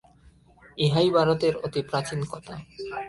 ইহাই ভারতের অতি প্রাচীন কথা।